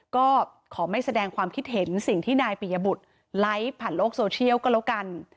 ก็ขอไม่แสดงความคิดเห็นสิ่งที่นายปิยบุตรไลค์ผ่านโลกโซเชียลก็แล้วกัน